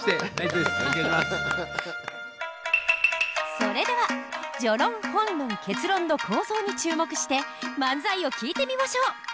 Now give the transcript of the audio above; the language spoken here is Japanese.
それでは序論・本論・結論の構造に注目して漫才を聞いてみましょう。